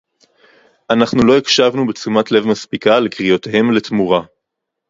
אנחנו לא הקשבנו בתשומת לב מספיקה לקריאותיהם לתמורה